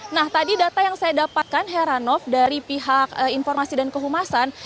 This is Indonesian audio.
nah tadi data yang saya dapatkan heranov dari pihak informasi dan kehumasan